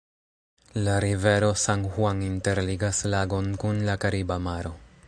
La rivero San-Juan interligas lagon kun la Kariba Maro.